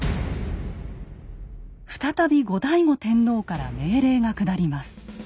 再び後醍醐天皇から命令が下ります。